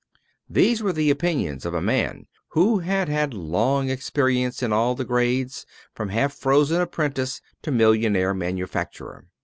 These were the opinions of a man who had had long experience in all the grades, from half frozen apprentice to millionaire manufacturer.